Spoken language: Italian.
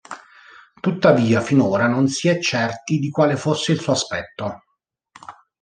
Tuttavia, finora non si è certi di quale fosse il suo aspetto.